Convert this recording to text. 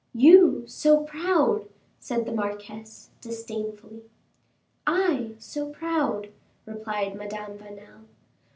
"You, so proud!" said the marquise, disdainfully. "I, so proud!" replied Madame Vanel.